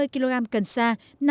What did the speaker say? hai mươi kg cần sa